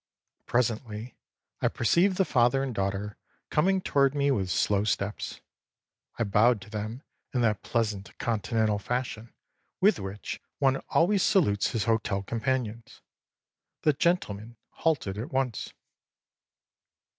Presently, I perceived the father and daughter coming toward me with slow steps. I bowed to them in that pleasant Continental fashion with which one always salutes his hotel companions. The gentleman halted at once.